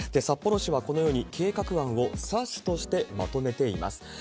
札幌市はこのように計画案を冊子としてまとめています。